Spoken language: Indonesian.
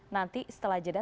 nanti setelah jeda